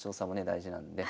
大事なので。